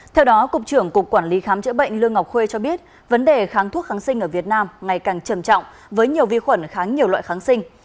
theo đó cục trưởng cục quản lý khám chữa bệnh lương ngọc khuê cho biết vấn đề kháng thuốc kháng sinh ở việt nam ngày càng trầm trọng với nhiều vi khuẩn kháng nhiều loại kháng sinh